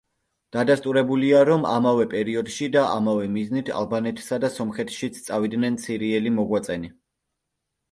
დადასტურებულია, რომ ამავე პერიოდში და ამავე მიზნით ალბანეთსა და სომხეთშიც წავიდნენ სირიელი მოღვაწენი.